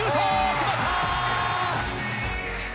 決まった！